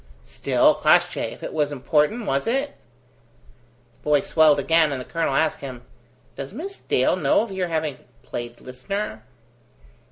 "Still, Crossjay, if it was important was it?" The boy swelled again, and the colonel asked him, "Does Miss Dale know of your having played listener?"